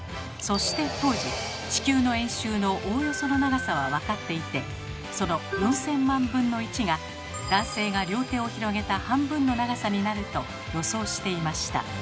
そして当時地球の円周のおおよその長さは分かっていてその４，０００万分の１が男性が両手を広げた半分の長さになると予想していました。